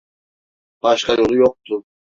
Başka yolu yoktu.